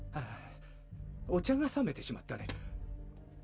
お茶が冷めてしまったね